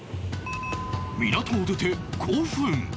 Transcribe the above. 港を出て５分